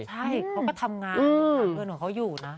ใช่เขาก็ทำงานหาเงินของเขาอยู่นะ